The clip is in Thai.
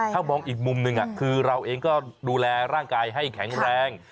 ถ้ามองอีกมุมหนึ่งคือเราเองก็ดูแลร่างกายให้แข็งแรง